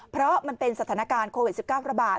เพราะมันเป็นสถานการณ์โควิด๑๙ระบาด